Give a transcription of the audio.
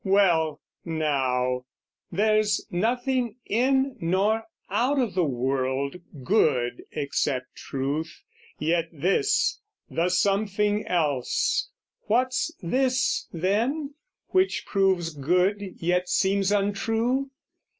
Well, now; there's nothing in nor out o' the world Good except truth: yet this, the something else, What's this then, which proves good yet seems untrue?